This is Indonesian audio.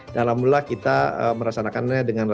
dan alhamdulillah kita merasakannya dengan